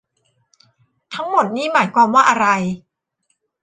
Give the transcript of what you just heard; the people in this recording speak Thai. ทั้งหมดนี้หมายความว่าอะไร